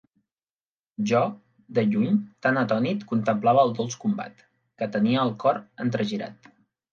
Jo, de lluny, tan atònit contemplava el dolç combat, que tenia el cor entregirat.